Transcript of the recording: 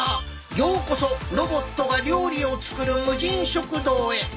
ようこそロボットが料理を作る無人食堂へ